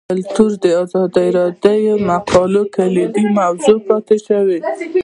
کلتور د ازادي راډیو د مقالو کلیدي موضوع پاتې شوی.